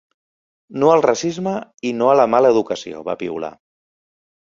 No al racisme i no a la mala educació, va piular.